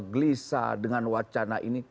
gelisah dengan wacana ini